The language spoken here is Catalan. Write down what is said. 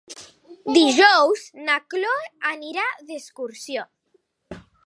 Dijous na Cloè anirà d'excursió.